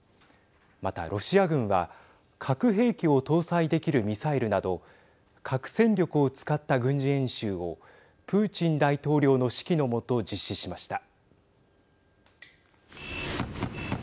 また、ロシア軍は核兵器を搭載できるミサイルなど核戦力を使った軍事演習をプーチン大統領の指揮の下実施しました。